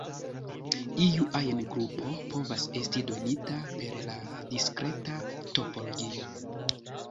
Iu ajn grupo povas esti donita per la diskreta topologio.